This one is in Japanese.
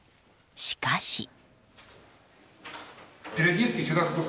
しかし。